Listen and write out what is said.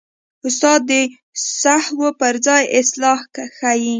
استاد د سهوو پر ځای اصلاح ښيي.